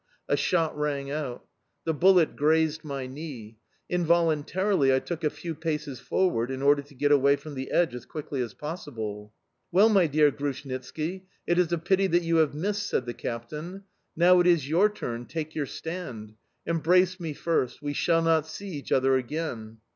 A shot rang out. The bullet grazed my knee. Involuntarily I took a few paces forward in order to get away from the edge as quickly as possible. "Well, my dear Grushnitski, it is a pity that you have missed!" said the captain. "Now it is your turn, take your stand! Embrace me first: we shall not see each other again!"